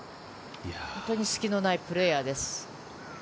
隙のないプレーヤーです。